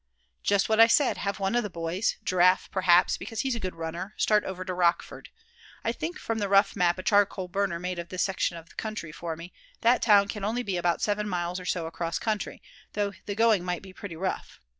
"Just what I said have one of the boys, Giraffe perhaps, because he's a good runner, start over to Rockford. I think from the rough map a charcoal burner made of this section of country for me, that town can be only about seven miles or so across country, though the going might be pretty rough.